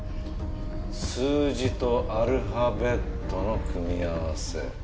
数字とアルファベットの組み合わせ。